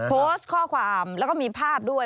โพสต์ข้อความแล้วก็มีภาพด้วย